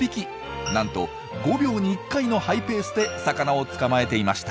なんと５秒に１回のハイペースで魚を捕まえていました。